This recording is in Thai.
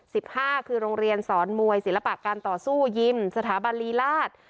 สิบห้าคือโรงเรียนสอนมวยศิลปะการต่อสู้ยิมสถาบันลีราช